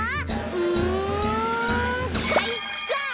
うんかいか！